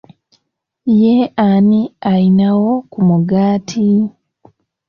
Ye ani ayinawo ku mugaati?